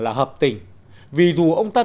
là hợp tình vì dù ông ta